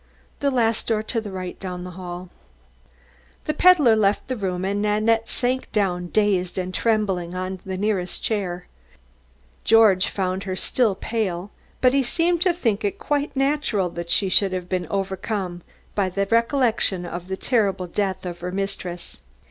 "The last door to the right down the hall." The peddler left the room and Nanette sank down dazed and trembling on the nearest chair. George found her still pale, but he seemed to think it quite natural that she should have been overcome by the recollection of the terrible death of her mistress.